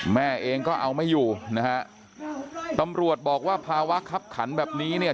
แม่เองก็เอาไม่อยู่นะฮะตำรวจบอกว่าภาวะคับขันแบบนี้เนี่ย